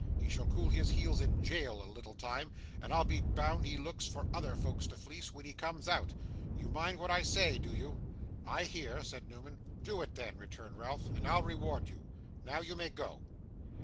He shall cool his heels in jail a little time, and I'll be bound he looks for other folks to fleece, when he comes out. You mind what I say, do you?' 'I hear,' said Newman. 'Do it then,' returned Ralph, 'and I'll reward you. Now, you may go.